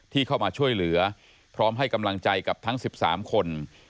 เข้ามาช่วยเหลือพร้อมให้กำลังใจกับทั้ง๑๓คน